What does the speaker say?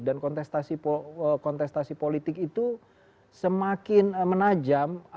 dan kontestasi politik itu semakin menajam